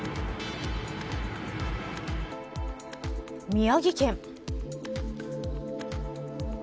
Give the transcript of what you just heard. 宮城県。